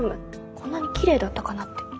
こんなにきれいだったかなって。